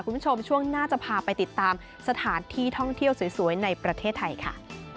คุณผู้ชมช่วงหน้าจะพาไปติดตามสถานที่ท่องเที่ยวสวยในประเทศไทยค่ะ